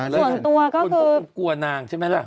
ส่วนตัวก็คือกลัวนางใช่ไหมล่ะ